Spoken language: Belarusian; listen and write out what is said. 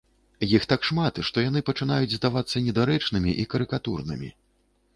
Іх так шмат, што яны пачынаюць здавацца недарэчнымі і карыкатурнымі.